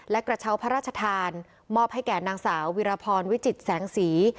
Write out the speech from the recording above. และกระเช้าพระราชทานมอบให้แก่นางสาววิรพรวิจิตแสงสี